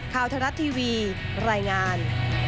ข่าวทะลัดทีวีรายงาน